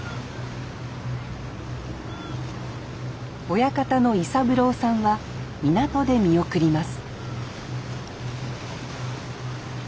親方の伊三郎さんは港で見送ります